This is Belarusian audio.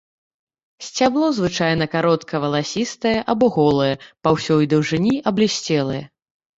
Сцябло звычайна каротка валасістае або голае, па ўсёй даўжыні аблісцелае.